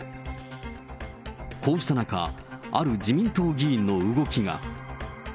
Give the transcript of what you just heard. こうした中、ある自民党議員の動きが。